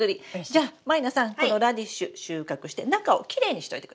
じゃあ満里奈さんこのラディッシュ収穫して中をきれいにしといてください。